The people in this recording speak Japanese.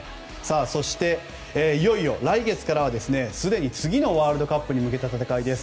そして、いよいよ来月からはすでに、次のワールドカップに向けた戦いです。